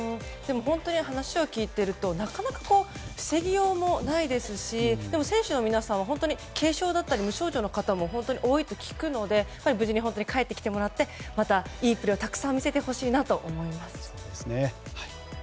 本当に話を聞いているとなかなか防ぎようもないですしでも選手の皆さんは軽症だったり無症状の方も多いと聞くので無事に帰ってきてもらってまたいいプレーをたくさん見せてほしいと思います。